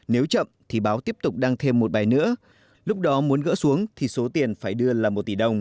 nếu chậm thì báo tiếp tục đăng thêm một bài nữa lúc đó muốn gỡ xuống thì số tiền phải đưa lại